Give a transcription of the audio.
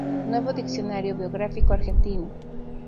Nuevo Diccionario Biográfico Argentino.